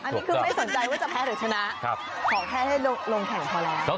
อันนี้คือไม่สนใจว่าจะแพ้หรือชนะขอแค่ให้ลงแข่งพอแล้ว